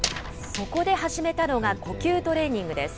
そこで始めたのが呼吸トレーニングです。